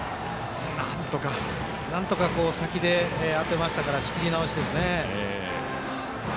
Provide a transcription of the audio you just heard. なんとか先で当てましたから仕切り直しですね。